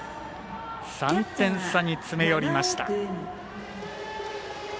３点差に詰め寄りました。